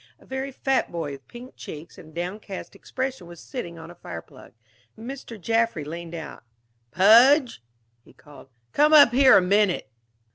A very fat boy with pink cheeks and a downcast expression was sitting on a fire plug. Mr. Jaffry leaned out. "Pudge," he called, "come up here a minute."